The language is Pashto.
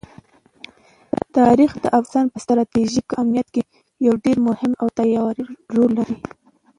تاریخ د افغانستان په ستراتیژیک اهمیت کې یو ډېر مهم او پیاوړی رول لري.